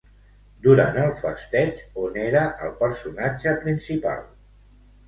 Durant el festeig, on era el personatge principal?